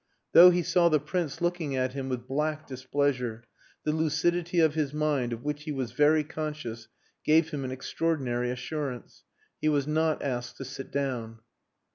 Though he saw the Prince looking at him with black displeasure, the lucidity of his mind, of which he was very conscious, gave him an extraordinary assurance. He was not asked to sit down.